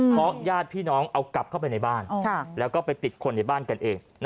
เพราะญาติพี่น้องเอากลับเข้าไปในบ้านแล้วก็ไปติดคนในบ้านกันเอง